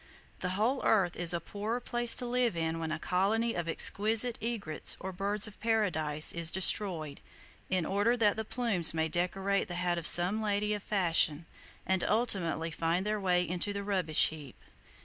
The whole earth is a poorer place to live in when a colony of exquisite egrets or birds of paradise is destroyed in order that the plumes may decorate the hat of some lady of fashion, and ultimately find their way into the rubbish heap.